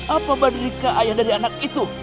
apa berdiri ke ayah dari anak itu